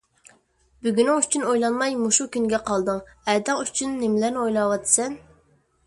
بۈگۈنىڭ ئۈچۈن ئويلانماي مۇشۇ كۈنگە قالدىڭ، ئەتەڭ ئۈچۈن نېمىلەرنى ئويلاۋاتىسەن؟!